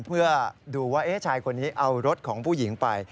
เพื่อดูว่าชายคนนี้เอารถของผู้หญิงไป